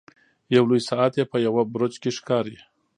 یو لوی ساعت یې په یوه برج کې ښکاري.